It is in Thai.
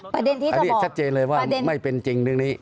ประเด็นที่อันนี้ชัดเจนเลยว่าไม่เป็นจริงเรื่องนี้